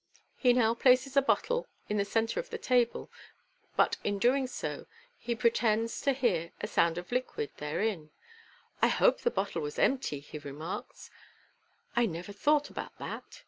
He now places the bottle in the centre of the table, but in doing so hears, or pretends to hear, a sound of liquid therein. " 1 hope the bottle was empty," he remarks, " I never thought about that."